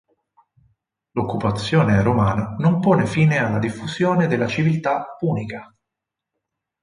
L'occupazione romana non pone fine alla diffusione della civiltà punica.